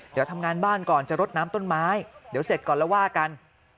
เดี๋ยวทำงานบ้านก่อนจะรดน้ำต้นไม้เดี๋ยวเสร็จก่อนแล้วว่ากัน